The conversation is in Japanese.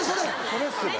これっすね。